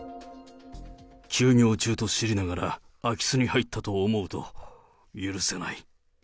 休業中と知りながら、空き巣に入ったと思うと、許せない。